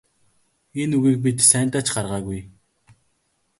Энэ үгийг бид сайндаа ч гаргаагүй.